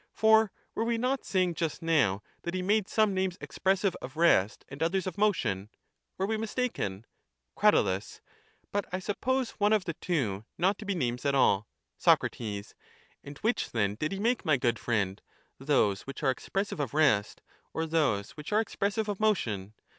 For were we not saying just now that he made some names expressive of rest and others of motion ? Were we mistaken ? Crat. But I suppose one of the two not to be names at all. Soc. And which, then, did he make, my good friend ; those which are expressive of rest, or those which are expressive of motion?